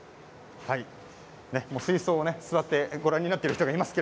水槽を座ってご覧になっている人がいます。